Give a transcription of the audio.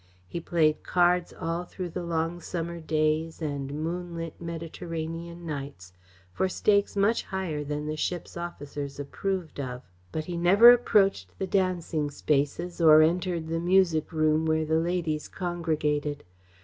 He played cards all through the long summer days and moonlit, Mediterranean nights, for stakes much higher than the ship's officers approved of, but he never approached the dancing spaces or entered the music room where the ladies congregated.